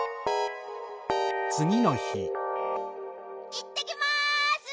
いってきます！